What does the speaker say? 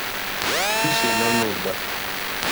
Si non nudda.